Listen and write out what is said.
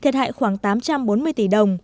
thiệt hại khoảng tám trăm bốn mươi tỷ đồng